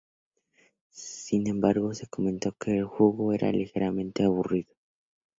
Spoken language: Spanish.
Sin embargo, se comentó que el juego era ligeramente aburrido.